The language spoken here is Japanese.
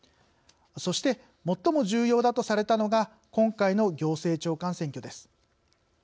そして、最も重要だとされたのが今回の行政長官選挙です。